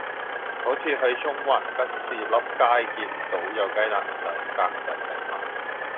嗰次喺中環吉士笠街見到有雞蛋仔格仔餅賣